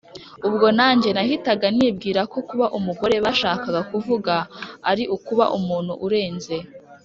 ubwo nanjye nahitaga nibwira ko kuba umugore bashakaga kuvuga ari ukuba umuntu urenze,